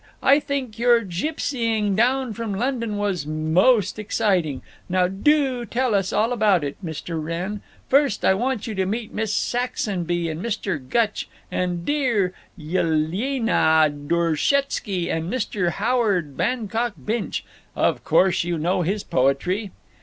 —I think your gipsying down from London was most exciting. Now do tell us all about it, Mr. Wrenn. First, I want you to meet Miss Saxonby and Mr. Gutch and dear Yilyena Dourschetsky and Mr. Howard Bancock Binch—of course you know his poetry."